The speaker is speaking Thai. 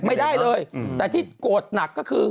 ไม่ได้เลยแต่ที่โกรธหนักก็คือ